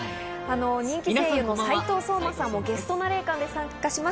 人気声優の斉藤壮馬さんもゲストナレーターで参加します。